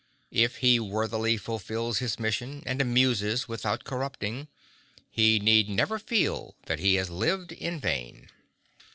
If he worthily fulfils his mission, and amuses without corrupting, he need never feel that he has lived in vain.